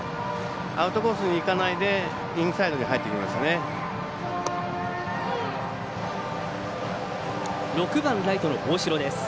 アウトコースにいかないでインサイドに入ってきましたね。